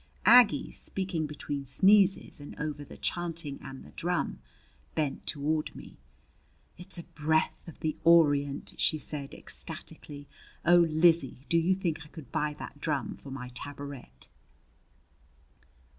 Aggie, speaking between sneezes and over the chanting and the drum, bent toward me. "It's a breath of the Orient!" she said ecstatically. "Oh, Lizzie, do you think I could buy that drum for my tabouret?"